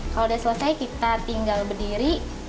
kalau udah selesai kita tinggal berdiri